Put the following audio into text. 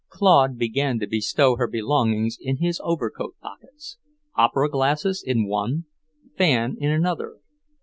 Claude began to bestow her belongings in his overcoat pockets; opera glasses in one, fan in another.